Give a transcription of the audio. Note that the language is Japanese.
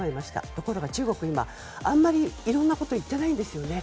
ところが中国に今あまりいろんなことを言っていないんですね。